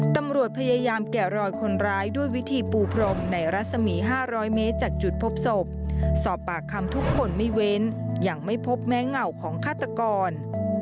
ตำรวจพยายามแกะรอยคนร้ายด้วยวิธีปูพรมในรัศมี๕๐๐เมตรจากจุดพบศพสอบปากคำทุกคนไม่เว้นยังไม่พบแม้เหงาของฆาตกร